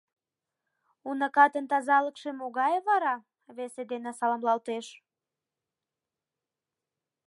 Уныкатын тазалыкше могае вара? — весе дене саламлалтеш.